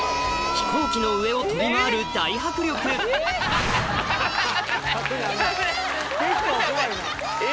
飛行機の上を飛び回る大迫力結構怖いな。